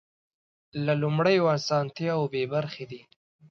له لومړیو اسانتیاوو بې برخې دي.